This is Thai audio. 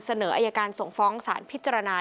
เสนออายการส่งฟ้องสารพิจารณา